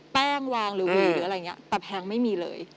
แป้งวางหรือวีหรืออะไรอย่างนี้แต่แพงไม่มีเลย